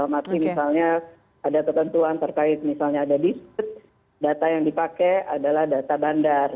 masih misalnya ada ketentuan terkait misalnya ada disput data yang dipakai adalah data bandar